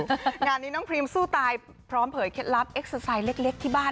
งานนี้น้องพรีมสู้ตายพร้อมเผยเคล็ดลับเอ็กเซอร์ไซด์เล็กที่บ้าน